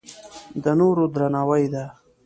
د نورو درناوی ده.